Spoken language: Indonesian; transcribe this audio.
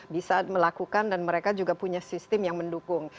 bisa melakukan dan mereka juga punya sistem yang mendukung